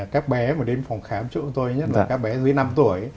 các bé mà đến phòng khám chỗ tôi nhất là các bé dưới năm tuổi